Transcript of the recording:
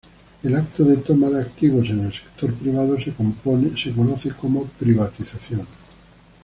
El acto de toma de activos en el sector privado se conoce como privatización.